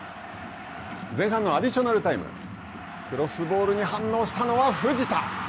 前半のアディショナルタイム、クロスボールに反応したのは藤田。